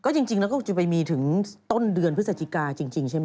จริงแล้วก็จะไปมีถึงต้นเดือนพฤศจิกาจริงใช่ไหม